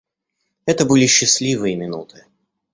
Это были счастливые минуты.